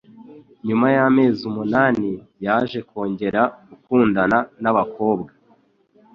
Nyuma y'amezi umunani, yaje kongera gukundana nabakobwa.